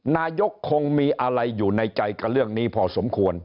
นายกคงมีอะไรอยู่ในใจกับเรื่องนี้พอสมควร